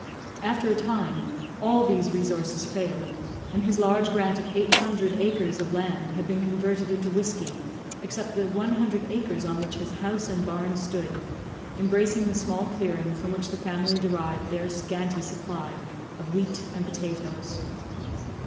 After a time, all these resources failed, and his large grant of eight hundred acres of land had been converted into whiskey, except the one hundred acres on which his house and barn stood, embracing the small clearing from which the family derived their scanty supply of wheat and potatoes.